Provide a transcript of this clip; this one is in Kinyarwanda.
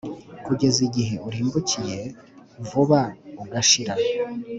kugeza igihe urimbukiye vuba ugashira